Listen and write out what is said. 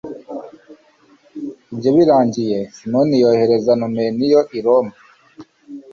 ibyo birangiye, simoni yohereza numeniyo i roma